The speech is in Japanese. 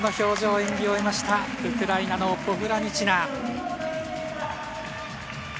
演技を終えました、ウクライナのポフラニチナ。